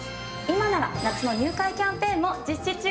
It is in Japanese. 今なら夏の入会キャンペーンも実施中。